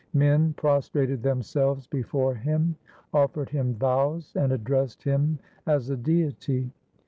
Men prostrated themselves before him, offered him vows, and addressed him as a deity.